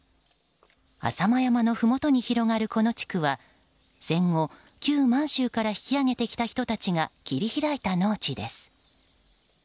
浅間山のふもとに広がるこの地区は戦後、旧満州から引き揚げてきた人たちが切り開いた農地です。